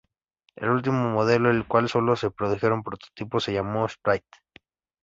El último modelo, del cual solo se produjeron prototipos, se llamó Sprite.